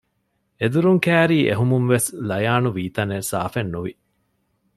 އެދުރުން ކައިރީ އެހުމުންވެސް ލަޔާނު ވީތަނެއް ސާފެއްނުވި